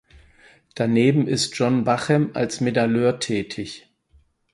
Daneben ist John Bachem als Medailleur tätig.